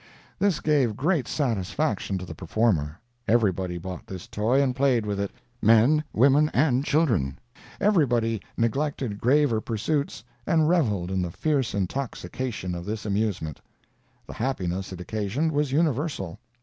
This gave great satisfaction to the performer. Everybody bought this toy and played with it—men, women and children—everybody neglected graver pursuits, and revelled in the fierce intoxication of this amusement. The happiness it occasioned was universal.